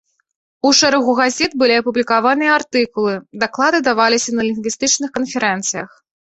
У шэрагу газет былі апублікаваныя артыкулы, даклады даваліся на лінгвістычных канферэнцыях.